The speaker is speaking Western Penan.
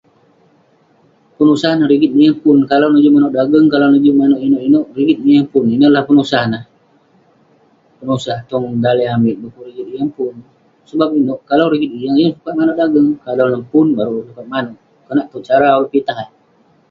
Penusah neh rigit neh yeng pun, kalau neh juk manouk pedageng, kalau neh juk manouk inouk inouk, rigit neh yeng pun... Ineh la penusah neh..penusah tong daleh amik du'kuk rigit yeng pun...sebab inouk, kalau rigit yeng ,yeng sukat manouk dageng..kalau neh pun, baruk ulouk sukat manouk..konak towk cara ulouk pitah eh..